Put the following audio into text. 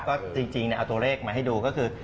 ก็จริงเอาตัวเลขมาให้ดูก็คือ